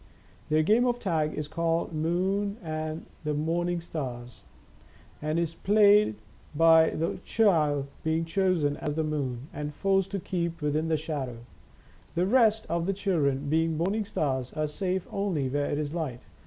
Their game of tag is called the " Moon and the Morning Stars," and is played by one child being chosen as the Moon and forced to keep within the shadow. The rest of the children, being Morning Stars, are safe only where it is light.